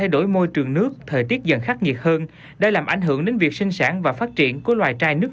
đó thời tiết dần khắc nghiệt hơn đã làm ảnh hưởng đến việc sinh sản và phát triển của loài trai nước